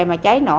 mà cháy nổ